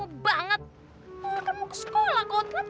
kamu kamu mau ke sekolah kot